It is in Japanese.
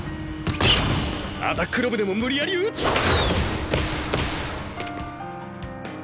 アタックロブでも無理やり打つ